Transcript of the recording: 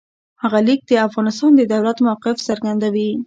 هغه لیک د افغانستان د دولت موقف څرګندوي.